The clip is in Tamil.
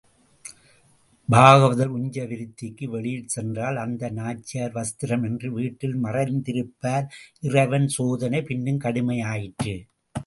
பாகவதர் உஞ்ச விருத்திக்கு வெளியில் சென்றால் அந்த நாச்சியார் வஸ்திரமின்றி வீட்டில் மறைந்திருப்பார், இறைவன் சோதனை பின்னும் கடுமையாயிற்று.